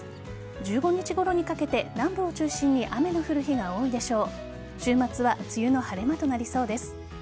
１５日ごろにかけて南部を中心に雨の降る日が多いでしょう。